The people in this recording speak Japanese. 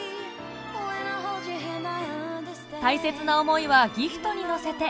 大切な思いはギフトに乗せて